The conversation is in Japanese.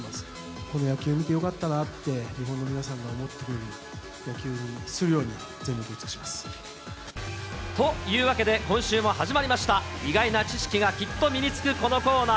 この野球を見てよかったなって日本の皆さんが思ってくれる野球にというわけで、今週も始まりました、意外な知識がきっと身につくこのコーナー。